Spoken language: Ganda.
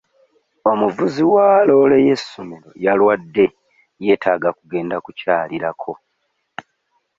Omuvuzi wa loole y'essomero yalwadde yeetaaga kugenda kukyalirako.